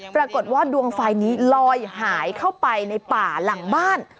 ปรากฏว่าดวงไฟนี้ลอยหายเข้าไปในป่าหลังบ้าน